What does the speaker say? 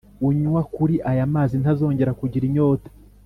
Unywa kuri aya mazi ntazongera kugira inyota